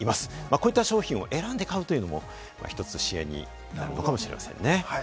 こういった商品を選んで買うというのも、１つ支援になるのかもしれませんね。